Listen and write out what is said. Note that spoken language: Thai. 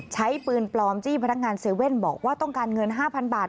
ใช้ปืนปลอมจี้พนักงาน๗๑๑บอกว่าต้องการเงิน๕๐๐บาท